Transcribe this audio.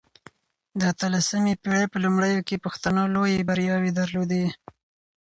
د اته لسمې پېړۍ په لومړيو کې پښتنو لويې برياوې درلودې.